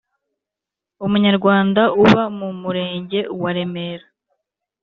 Umunyarwanda uba mu Murenge wa Remera